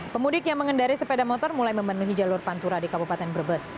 pemudik yang mengendari sepeda motor mulai memenuhi jalur pantura di kabupaten brebes